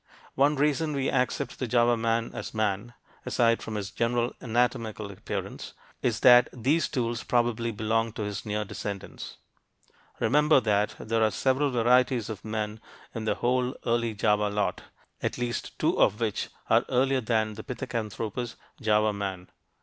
One reason we accept the Java man as man aside from his general anatomical appearance is that these tools probably belonged to his near descendants. Remember that there are several varieties of men in the whole early Java lot, at least two of which are earlier than the Pithecanthropus, "Java man."